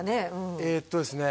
えっとですね